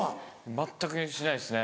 全くしないですね。